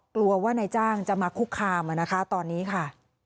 กลัวว่านายจ้างจะมาคุกคามนะคะตอนนี้ค่ะ